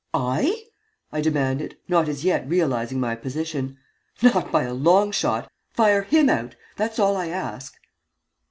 "I?" I demanded, not as yet realizing my position. "Not by a long shot. Fire him out. That's all I ask."